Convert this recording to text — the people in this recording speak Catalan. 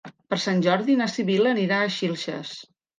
Per Sant Jordi na Sibil·la anirà a Xilxes.